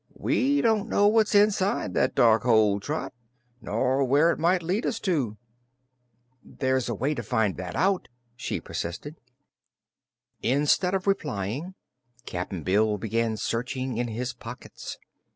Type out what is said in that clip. "We don't know what's inside that dark hole: Trot, nor where it might lead us to." "There's a way to find that out," she persisted. Instead of replying, Cap'n Bill began searching in his pockets.